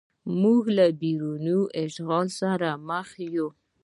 موږ له بهرني اشغال سره مخ یو.